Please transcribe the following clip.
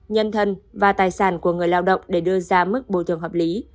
nhân thân và tài sản của người lao động để đưa ra mức bồi thường hợp lý